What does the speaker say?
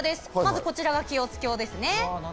まず、こちらが清津峡ですね。